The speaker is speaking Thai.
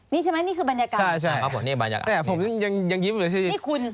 นี้ใช่ไหมนี้คือบรรยากาศแท่ผมยังยิ้มอยู่ในที่นี้คุณ